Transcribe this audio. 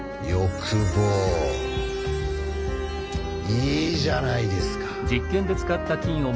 いいじゃないですか。